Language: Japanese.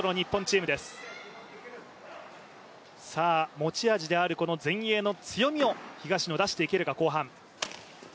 持ち味である前衛の強みを東野、出していけるか、後半。